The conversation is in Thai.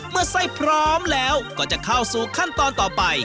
เมื่อไส้พร้อมแล้วก็จะเข้าสู่ขั้นตอนต่อไป